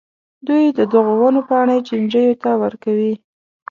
دوی د دغو ونو پاڼې چینجیو ته ورکوي.